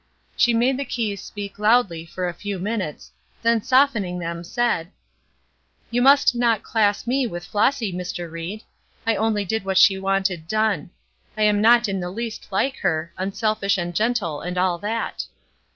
She made the keys speak loudly for a few minutes, then softening them, said: "You must not class me with Flossy, Mr. Ried. I only did what she wanted done. I am not in the least like her, unselfish and gentle and all that."